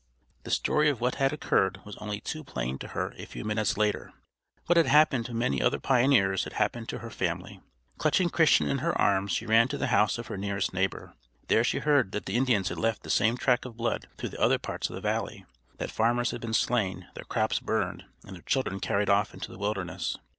The story of what had occurred was only too plain to her a few minutes later. What had happened to many other pioneers had happened to her family. Clutching Christian in her arms she ran to the house of her nearest neighbor. There she heard that the Indians had left the same track of blood through other parts of the valley; that farmers had been slain; their crops burned; and their children carried off into the wilderness.